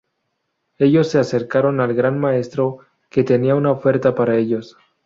Ellos se acercaron al Gran Maestro que tenía una oferta para ellos.